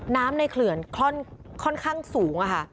น้ำในเขื่อนค่อนข้างสูงค่ะ